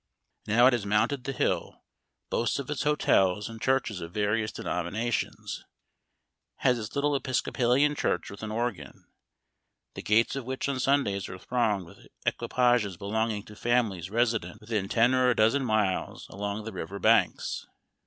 Now it has mounted the hill ; boasts of its hotels, and churches of various denominations ; has its little Episcopalian Church with an organ — the gates of which on Sundays are thronged with equipages belonging to families resident within ten or a dozen miles along the river banks.